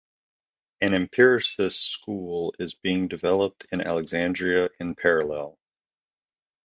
An empiricist school is being developed in Alexandria in parallel.